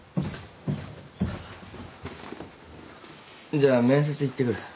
じゃあ面接行ってくる。